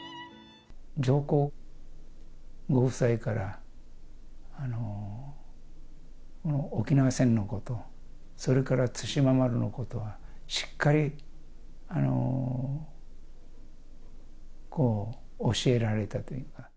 上皇ご夫妻から、沖縄戦のこと、それから対馬丸のことはしっかり教えられたというか。